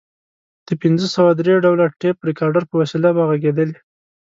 د پنځه سوه درې ډوله ټیپ ریکارډر په وسیله به غږېدلې.